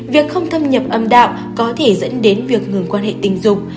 việc không thâm nhập âm đạo có thể dẫn đến việc ngừng quan hệ tình dục